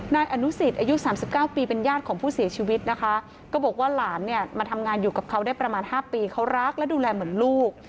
นายอนุสิตอายุ๓๙ปีเป็นญาติของผู้เสียชีวิตนะคะก็บอกว่าหลานเนี่ยมาทำงานอยู่กับเขาได้ประมาณ๕ปีเขารักและดูแลเหมือนลูก